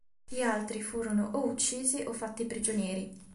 Gli altri furono o uccisi o fatti prigionieri.